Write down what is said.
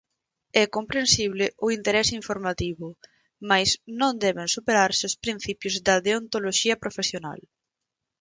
"É comprensible o interese informativo", mais "non deben superarse os principios da deontoloxía profesional".